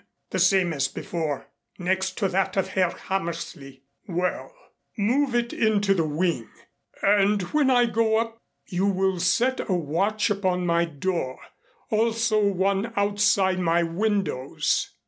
"The same as before next to that of Herr Hammersley." "Well, move it into the wing. And when I go up you will set a watch upon my door also one outside my windows."